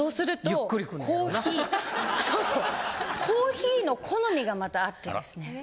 コーヒーの好みがまたあってですね。